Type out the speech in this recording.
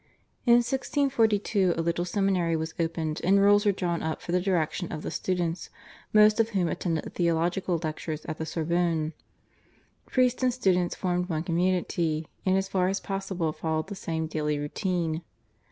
In 1642 a little seminary was opened and rules were drawn up for the direction of the students, most of whom attended the theological lectures at the Sorbonne. Priests and students formed one community, and as far as possible followed the same daily routine.